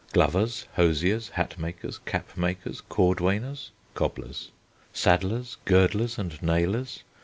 Glovers. Hosiers. Hatmakers. Capmakers. Cordwainers (cobblers). Saddlers. Girdlers and nailers.